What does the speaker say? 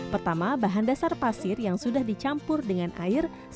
pertama bahan dasar pasir yang sudah dicampur dengan air